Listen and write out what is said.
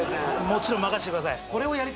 もちろん任せてください